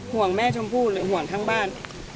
ห่วงแม่ชมพู่หรือห่วงทั้งบ้าน